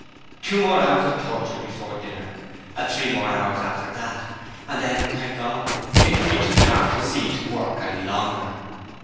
Two more hours of torture before dinner; and three more hours after that. And then, thank God, it would be too dark to see to work any longer.